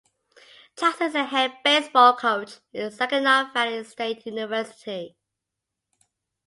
Jaksa is the head baseball coach at Saginaw Valley State University.